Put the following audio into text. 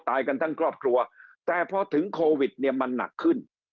กันทั้งครอบครัวแต่พอถึงโควิดเนี่ยมันหนักขึ้น